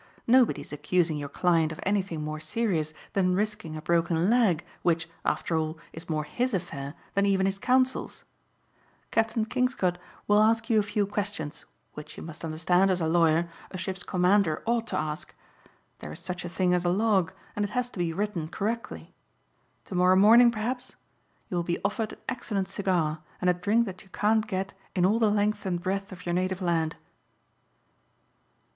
Nobody is accusing your client of anything more serious than risking a broken leg which, after all, is more his affair than even his counsel's. Captain Kingscote will ask you a few questions which you must understand, as a lawyer, a ship's commander ought to ask. There is such a thing as a log and it has to be written correctly. Tomorrow morning perhaps? You will be offered an excellent cigar and a drink that you can't get in all the length and breadth of your native land."